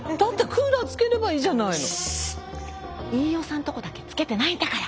飯尾さんのとこだけつけてないんだから！